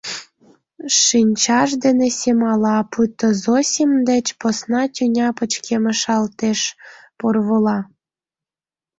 Шинчаж дене семала, пуйто Зосим деч посна тӱня пычкемышалтеш, порвола.